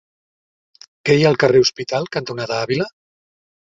Què hi ha al carrer Hospital cantonada Àvila?